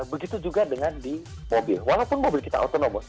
begitu juga dengan di mobil walaupun mobil kita autonomous